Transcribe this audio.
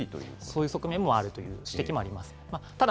そういう側面もあるという指摘もあります。